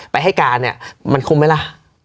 ให้การเนี่ยมันคุ้มไหมล่ะ